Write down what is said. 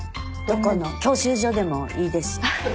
どこの教習所でもいいです。